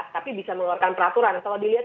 tapi bisa mengeluarkan peraturan kalau dilihat